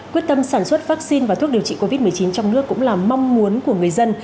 quyết tâm sản xuất vaccine và thuốc điều trị covid một mươi chín trong nước cũng là mong muốn của người dân